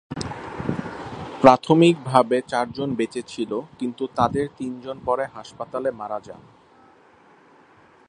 প্রাথমিকভাবে চারজন বেঁচে ছিল, কিন্তু তাদের তিনজন পরে হাসপাতালে মারা যান।